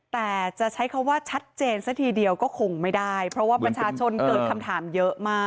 แต่จะใช้คำว่าชัดเจนซะทีเดียวก็คงไม่ได้เพราะว่าประชาชนเกิดคำถามเยอะมาก